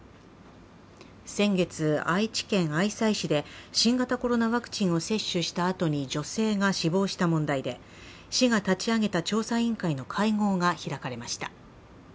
先月、愛知県愛西市で新型コロナワクチンを接種したあとに女性が死亡した問題で市が立ち上げた調査委員会の会合が開かれました。